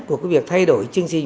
của cái việc thay đổi chương trình